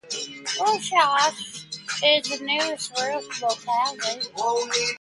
Rossosh is the nearest rural locality.